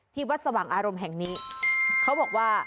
วัดสว่างอารมณ์แห่งนี้เขาบอกว่า